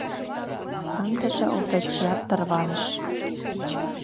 Ындыже Овдачиат тарваныш: